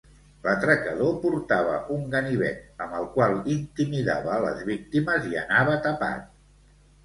L'atracador portava un ganivet amb el qual intimidava a les víctimes i anava tapat.